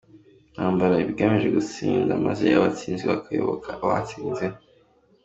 Intambara iba igamije gutsinda maze abatsinzwe bakayoboka abatsinze.